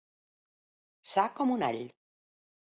Sa com un all.